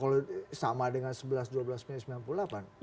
kalau sama dengan sebelas dua belas mei sembilan puluh delapan